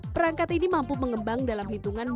perangkat ini mampu mengembang dalam hitungan